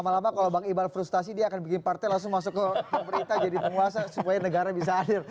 lama lama kalau bang ibal frustasi dia akan bikin partai langsung masuk ke pemerintah jadi penguasa supaya negara bisa hadir